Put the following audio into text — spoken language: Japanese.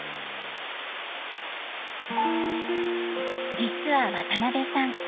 実は渡邊さん